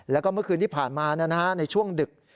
แล้วก็เมื่อคืนที่ผ่านมาในช่วงดึก